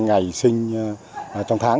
có ngày sinh trong tháng